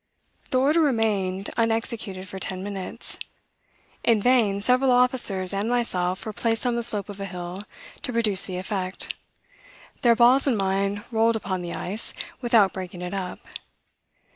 The order remained unexecuted for ten minutes. In vain several officers and myself were placed on the slope of a hill to produce the effect; their balls and mine rolled upon the ice, without breaking it up.